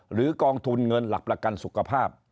กองทุนเงินหลักประกันสุขภาพ